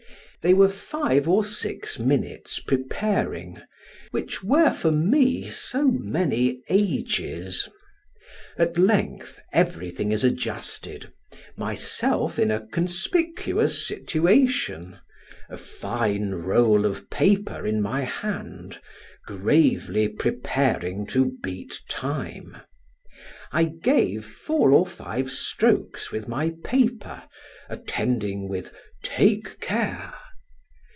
They were five or six minutes preparing, which were for me so many ages: at length, everything is adjusted, myself in a conspicuous situation, a fine roll of paper in my hand, gravely preparing to beat time. I gave four or five strokes with my paper, attending with "take care!"